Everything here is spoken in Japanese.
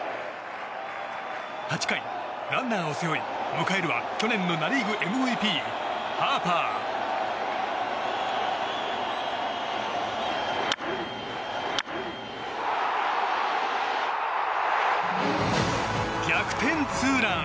８回、ランナーを背負い迎えるは去年のナ・リーグＭＶＰハーパー。逆転ツーラン！